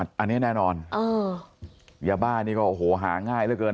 อันอันนี้แน่นอนเอออย่าบ้านี่ก็โอ้โหห้าง่ายแล้วเกิน